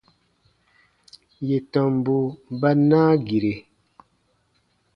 Yè tɔmbu ba naa gire.